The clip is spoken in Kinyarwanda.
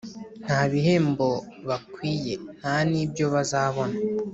Ntabihembo bakwiye ntanibyo bazabona